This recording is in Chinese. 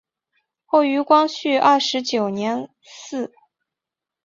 后于光绪二十九年祠。